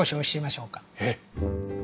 えっ。